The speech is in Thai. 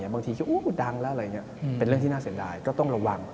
บางทีคิดว่าดังแล้วเป็นเรื่องที่น่าเสียดายก็ต้องระวัง